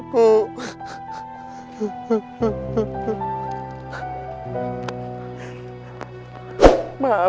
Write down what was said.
ibu bangga di sana ya bu